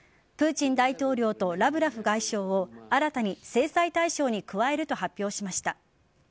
プーチン大統領とラブロフ外相を新たに制裁対象に加えると発表しました。